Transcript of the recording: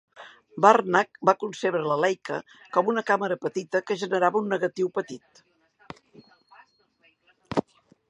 Barnack va concebre la Leica com una càmera petita que generava un negatiu petit.